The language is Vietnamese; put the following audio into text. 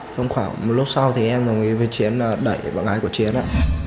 xong khoảng một lúc sau thì em đồng ý với chiến đẩy bạn gái của chiến ạ